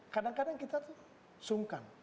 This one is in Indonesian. kadang kadang kita tuh sungkan